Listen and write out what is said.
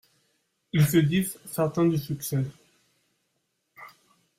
Ils se disent certains du succès.